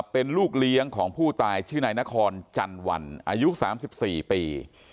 เป็นลูกเลี้ยงของผู้ตายชื่อนายนครจันวันอายุ๓๔ปี